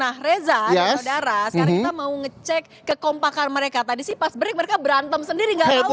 nah reza dan saudara sekarang kita mau ngecek kekompakan mereka tadi sih pas break mereka berantem sendiri gak tahu